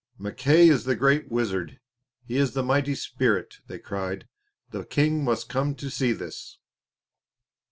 "Mackay is the great wizard. He is the mighty spirit," they cried. "The King must come to see this."